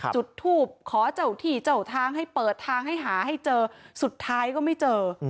จุดทูบขอเจ้าที่เจ้าทางให้เปิดทางให้หาให้เจอสุดท้ายก็ไม่เจอ